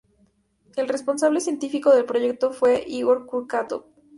El responsable científico del proyecto fue Ígor Kurchátov.